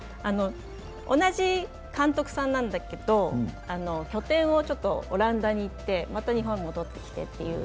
同じ監督さんなんだけど拠点をオランダに行ってまた日本に戻ってきてという。